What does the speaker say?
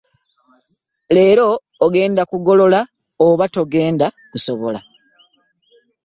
Leero ogenda kugolola oba togenda kusobola?